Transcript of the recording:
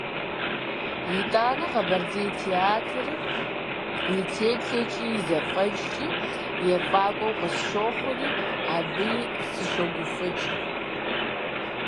Итӏанэ, Къэбэрдей театрыр и теплъэкӏи и зэфӏэкӏкӏи ефӏакӏуэу къысщохъури, абыи сыщогуфӏыкӏ.